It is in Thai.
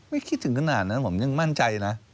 คิดถึงขนาดนั้นผมยังมั่นใจนะ